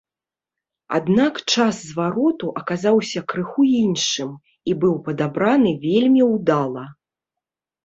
Аднак час звароту аказаўся крыху іншым і быў падабраны вельмі ўдала.